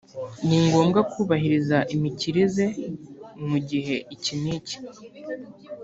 ni ngombwa kubahiriza imikirize mu gihe iki n’iki